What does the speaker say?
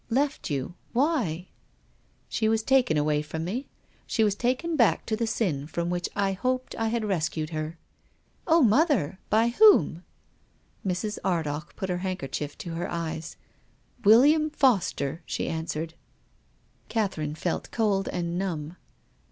" Left you— why ?"" She was taken away from me. She was taken back to the sin from which I hoped I had rescued her." " Oh, mother ! By whom ?" Mrs. Ardagh put her handkerchief to her eyes. " William Foster," she answered. Catherine felt cold and numb.